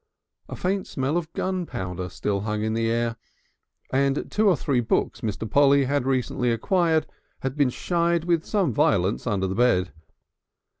A faint smell of gunpowder still hung in the air, and two or three books Mr. Polly had recently acquired had been shied with some violence under the bed.